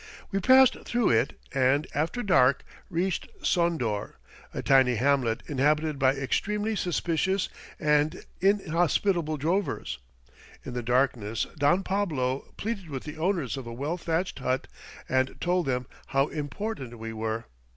We passed through it and, after dark, reached Sondor, a tiny hamlet inhabited by extremely suspicious and inhospitable drovers. In the darkness Don Pablo pleaded with the owners of a well thatched hut, and told them how "important" we were.